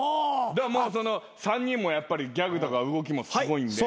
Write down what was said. ３人もやっぱりギャグとか動きもすごいんで。